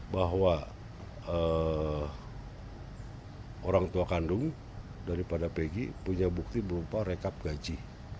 bahwa orang tua kandung daripada pegi punya bukti berupa rekap gaji